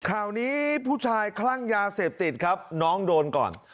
ข่าวนี้ผู้ชายคลั่งยาเสพติดครับน้องโดนก่อน